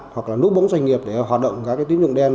hoặc là núp bóng doanh nghiệp để hoạt động các tín dụng đen